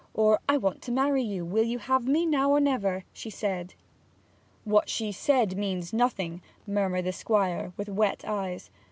or, "I want to marry you: will you have me now or never?" she said.' 'What she said means nothing,' murmured the Squire, with wet eyes.